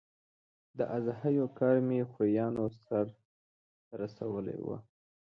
د اضحیو کار مې خوریانو سرته رسولی و.